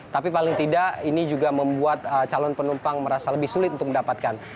tapi paling tidak ini juga membuat calon penumpang merasa lebih sulit untuk mendapatkan